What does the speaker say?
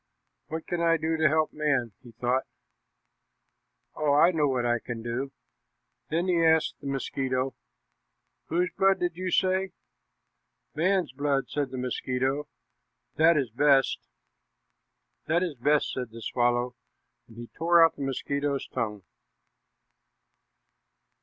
"What can I do to help man?" he thought. "Oh, I know what I can do." Then he asked the mosquito, "Whose blood did you say?" "Man's blood," said the mosquito; "that is best." "This is best," said the swallow, and he tore out the mosquito's tongue.